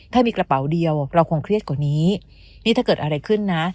ถ้ามีกระเป๋าเดียวเราคงเครียดกว่านี้นี่ถ้าเกิดอะไรขึ้นนะ